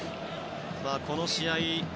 この試合